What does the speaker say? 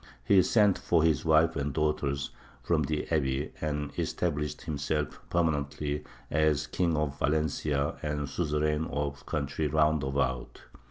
He sent for his wife and daughters from the abbey, and established himself permanently as King of Valencia and suzerain of the country round about.